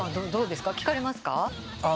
聞かれますか？